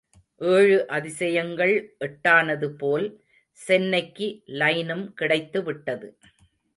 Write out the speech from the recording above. ஏழு அதிசயங்கள் எட்டானதுபோல் சென்னைக்கு லைனும் கிடைத்து விட்டது.